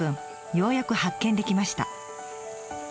ようやく発見できました。